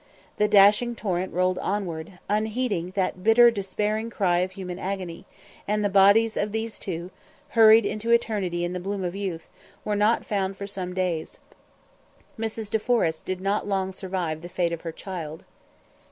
The dashing torrent rolled onward, unheeding that bitter despairing cry of human agony, and the bodies of these two, hurried into eternity in the bloom of youth, were not found for some days. Mrs. De Forest did not long survive the fate of her child.